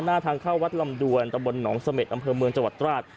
หน้าทางเข้าวัดลำดวนตะบนหนองเสม็ดอำเภอเมืองจังหวัดตราด